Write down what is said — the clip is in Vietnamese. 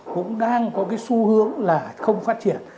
cũng đang có cái xu hướng là không phát triển